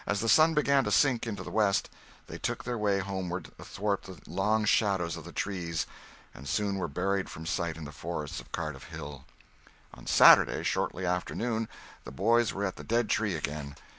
As the sun began to sink into the west they took their way homeward athwart the long shadows of the trees and soon were buried from sight in the forests of Cardiff Hill. On Saturday, shortly after noon, the boys were at the dead tree again.